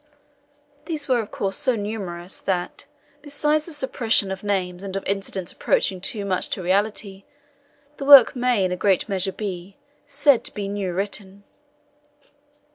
These were of course so numerous, that, besides the suppression of names, and of incidents approaching too much to reality, the work may in a great measure be, said to be new written.